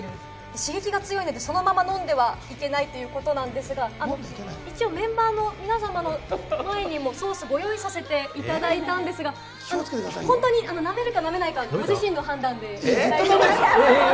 刺激が強いので、そのまま飲んではいけないということなんですが、一応メンバーの皆様の前にもソースをご用意させていただいたんですが、本当になめるか、なめないか、ご自身の判断で。